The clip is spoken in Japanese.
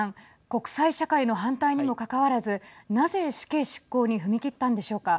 国際社会の反対にもかかわらずなぜ死刑執行に踏み切ったんでしょうか。